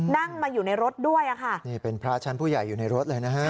นั่งมาอยู่ในรถด้วยอ่ะค่ะนี่เป็นพระชั้นผู้ใหญ่อยู่ในรถเลยนะฮะ